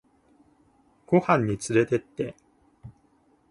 ご飯につれてって